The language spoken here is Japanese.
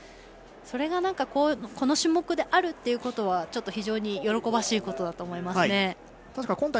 それがこの種目であるということは非常に喜ばしいことだと思いますね。